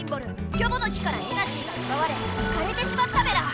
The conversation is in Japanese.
「キョボの木」からエナジーがうばわれかれてしまったメラ。